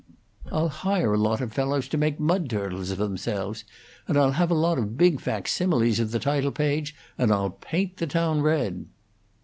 "I'll hire a lot of fellows to make mud turtles of themselves, and I'll have a lot of big facsimiles of the title page, and I'll paint the town red!"